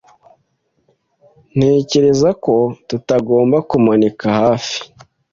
Ntekereza ko tutagomba kumanika hafi.